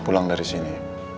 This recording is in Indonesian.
pulang dari sini